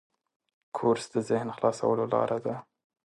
کورس د ذهن خلاصولو لاره ده.